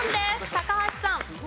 高橋さん。